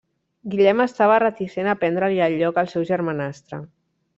Guillem estava reticent a prendre-li el lloc al seu germanastre.